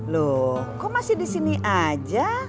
loh kok masih di sini aja